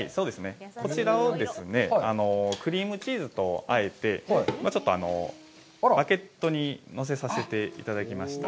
こちらをですね、クリームチーズとあえて、ちょっとバケットにのせさせていただきましたので。